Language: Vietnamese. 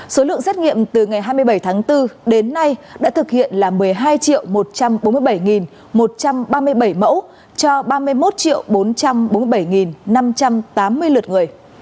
số lượng xét nghiệm từ ngày hai mươi bảy tháng bốn đến nay đã thực hiện là một mươi hai một trăm bốn mươi bảy một trăm ba mươi bảy mẫu cho ba mươi một bốn trăm bốn mươi bảy năm trăm tám mươi lượt người